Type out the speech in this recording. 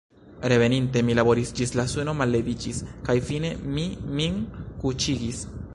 Reveninte, mi laboris ĝis la suno malleviĝis, kaj fine mi min kuŝigis.